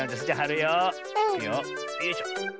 よいしょ。